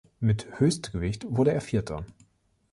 Mit Höchstgewicht wurde er Vierter.